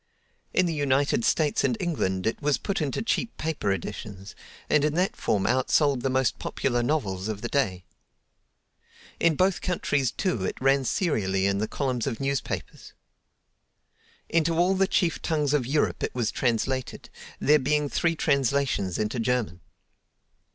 In the United States and England it was put into cheap paper editions, and in that form outsold the most popular novels of the day. In both countries, too, it ran serially in the columns of newspapers. Into all the chief tongues of Europe it was translated, there being three translations into German.